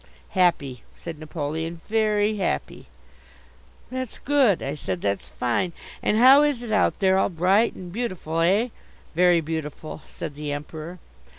"Happy," said Napoleon, "very happy." "That's good," I said. "That's fine! And how is it out there? All bright and beautiful, eh?" "Very beautiful," said the Emperor.